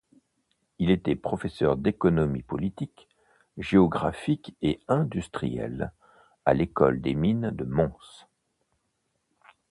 Il était professeur d'économie politique, géographique et industrielle à l'École des mines de Mons.